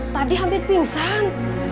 tadi hampir pingsan